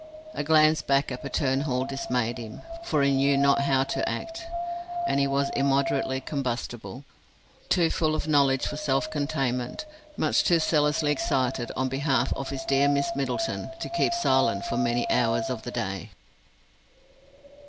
A glance back at Patterne Hall dismayed him, for he knew not how to act, and he was immoderately combustible, too full of knowledge for self containment; much too zealously excited on behalf of his dear Miss Middleton to keep silent for many hours of the day.